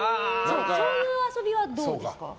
そういう遊びはどうですか？